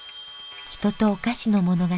人とお菓子の物語。